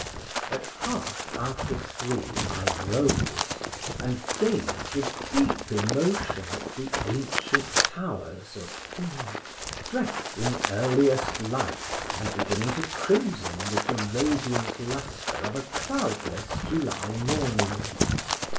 At half after three I rose, and gazed with deep emotion at the ancient towers of ——, "drest in earliest light," and beginning to crimson with the radiant lustre of a cloudless July morning.